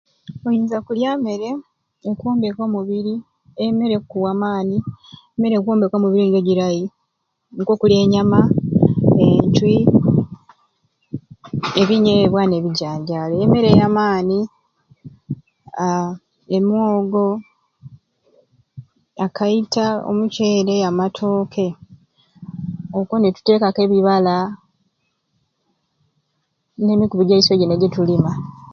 Olinza kulya mmere ekyombeko omubiri emmere ekkuw'amaani emmere ekyomboko omubiri nijjo girai nikwo kuli ennyama encwi ebinyeebwa n'ebijanjaalo emmere ya maani aa e mwogo akaita omuceere amatooke okwo ni tuteekaku e bibala n'emikybi gyaiswe gini gitulima.